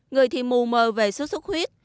người thì mù mờ về xuất xuất huyết